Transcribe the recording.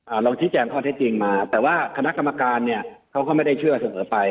เราชี้แจงข้อเท็จจริงมาแต่ว่าคณะกรรมการเนี่ยเขาก็ไม่ได้เชื่อเสมอไป